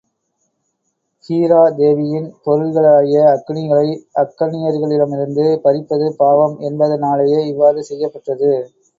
ஹீரா தேவியின் பொருள்களாகிய அக்கனிகளை அக்கன்னியர்களிடமிருந்து பறிப்பது பாவம் என்பதனாலேயே இவ்வாறு செய்யப் பெற்றது.